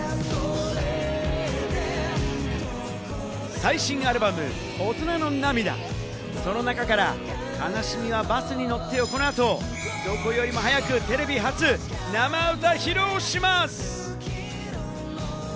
最新アルバム『大人の涙』、その中から『悲しみはバスに乗って』をこの後、どこよりも早く、テレビ初生歌披露します。